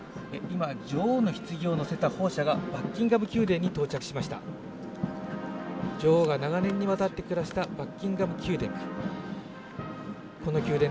今女王の棺を乗せた砲車がバッキンガム宮殿に到着しました女王が長年にわたって暮らしたバッキンガム宮殿